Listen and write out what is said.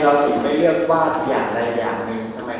เพราะว่าทุกวันนึงมันก็ยังว่าอะไร